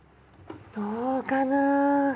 どうかな？